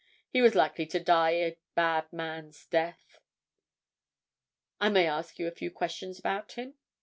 He was likely to die a bad man's death." "I may ask you a few questions about him?"